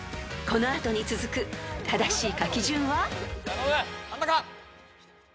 ［この後に続く正しい書き順は？］